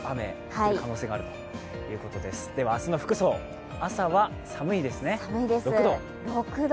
明日の服装、朝は寒いですね、６度。